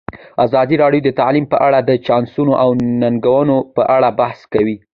ازادي راډیو د تعلیم په اړه د چانسونو او ننګونو په اړه بحث کړی.